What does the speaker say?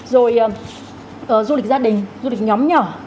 rồi du lịch gia đình du lịch nhóm nhỏ